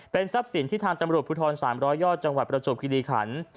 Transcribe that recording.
ทรัพย์สินที่ทางตำรวจภูทร๓๐๐ยอดจังหวัดประจวบคิริขัน